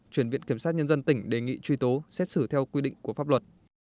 chuyển viện kiểm sát nhân dân tỉnh đề nghị truy tố xét xử theo quy định của pháp luật